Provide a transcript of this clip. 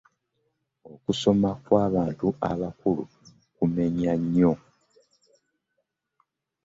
Okusoma kw'abantu abakulu kumenya nnyo.